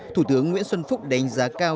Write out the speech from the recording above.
thủ tướng nguyễn xuân phúc đánh giá cao